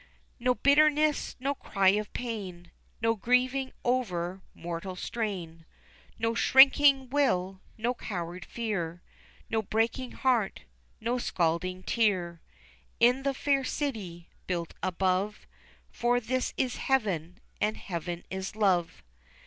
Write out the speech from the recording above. No bitterness, no cry of pain, No grieving over mortal strain, No shrinking will, no coward fear, No breaking heart, no scalding tear, In the fair city built above, For this is heaven, and heaven is love."